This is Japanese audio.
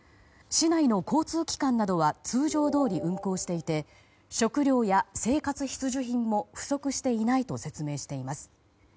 市内の交通機関などは通常どおり運行していて食料や生活必需品も不足していないと説明しています。